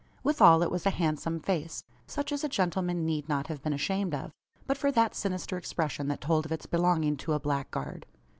Withal it was a handsome face: such as a gentleman need not have been ashamed of, but for that sinister expression that told of its belonging to a blackguard.